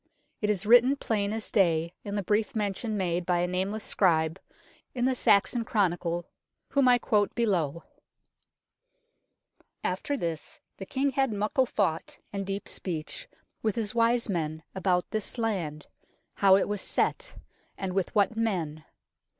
It is written plain as day in the brief mention made by a nameless scribe in the Saxon Chronicle, whom I quote below " After this the King had muckle thought and deep speech with his wise men about this land, how it was set, and with what men.